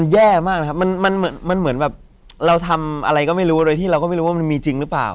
แย่มากนะครับมันเหมือนมันเหมือนแบบเราทำอะไรก็ไม่รู้โดยที่เราก็ไม่รู้ว่ามันมีจริงหรือเปล่า